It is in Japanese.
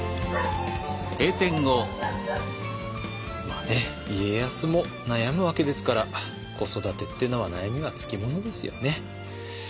まあね家康も悩むわけですから子育てっていうのは悩みがつきものですよね。